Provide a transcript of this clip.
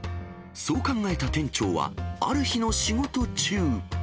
そう考えた店長は、ある日の仕事中。